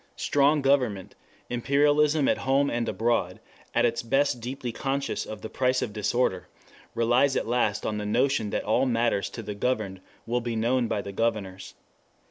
Strong government, imperialism at home and abroad, at its best deeply conscious of the price of disorder, relies at last on the notion that all that matters to the governed will be known by the governors.